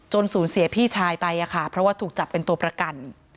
สูญเสียพี่ชายไปค่ะเพราะว่าถูกจับเป็นตัวประกัน